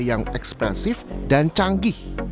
yang ekspresif dan canggih